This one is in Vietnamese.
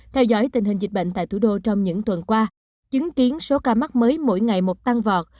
theo dõi tình hình dịch bệnh tại thủ đô trong những tuần qua chứng kiến số ca mắc mới mỗi ngày một tăng vọt